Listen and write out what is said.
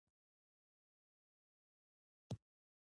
که زما مرګ په تا ګران تمامېدلی زه به نه مړه کېدم.